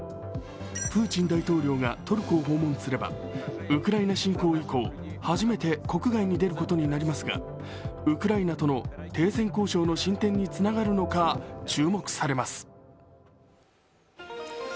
プーチン大統領がトルコを訪問すれば、ウクライナ侵攻以降初めて国外に出ることになりますがウクライナとの停戦交渉の進展につながるのが注目されます。